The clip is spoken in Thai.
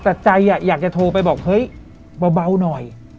แต่ใจอยากจะโทรไปบอกเฮ้ยเบาหน่อย